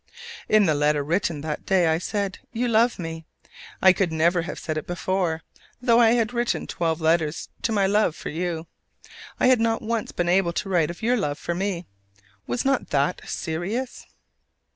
In the letter written that day, I said, "You love me." I could never have said it before; though I had written twelve letters to my love for you, I had not once been able to write of your love for me. Was not that serious?